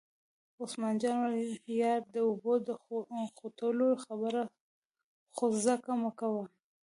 عثمان جان وویل: یار د اوبو د خوټولو خبره خو ځکه مکوه.